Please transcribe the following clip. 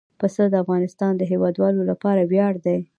پسه د افغانستان د هیوادوالو لپاره ویاړ دی.